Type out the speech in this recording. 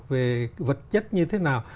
về vật chất như thế nào